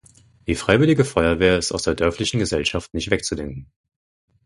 Die freiwillige Feuerwehr ist aus der dörflichen Gesellschaft nicht wegzudenken.